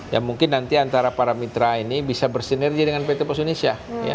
ya mungkin nanti antara para mitra ini bisa bersinergi dengan pt pos indonesia